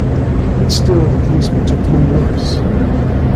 But still the policeman took no notice.